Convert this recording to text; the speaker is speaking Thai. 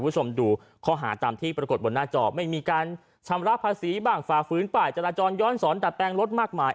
คุณผู้ชมดูข้อหาตามที่ปรากฏบนหน้าจอไม่มีการชำระภาษีบ้างฝ่าฝืนป่ายจราจรย้อนสอนดัดแปลงรถมากมาย